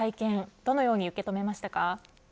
どのように受け止めましたか。